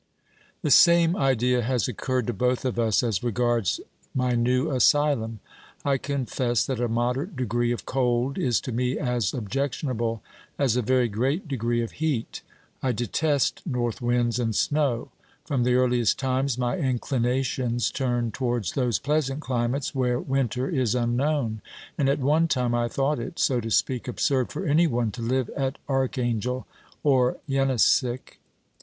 The same idea has occurred to both of us as regards my new asylum. I confess that a moderate degree of cold is to me as objectionable as a very great degree of heat. I detest north winds and snow ; from the earliest times my inclinations turned towards those pleasant climates where winter is unknown, and at one time I thought it, so to speak, absurd for any one to live at Archangel or Yeniseick.